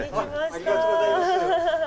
ありがとうございます。